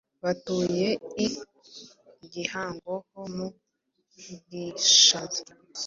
batuye i Gihango ho mu Bwishaza.